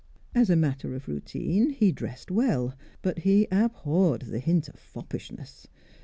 As a matter of routine, he dressed well, but he abhorred the hint of foppishness.